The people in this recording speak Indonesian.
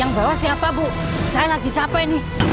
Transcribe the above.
yang bawah siapa bu saya lagi capek nih